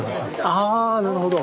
ああなるほど。